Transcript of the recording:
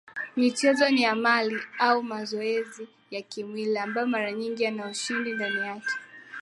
Michezo ni amali au mazoezi ya kimwili ambayo mara nyingi yana ushindani ndani yake